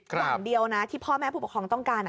อย่างเดียวนะที่พ่อแม่ผู้ปกครองต้องการ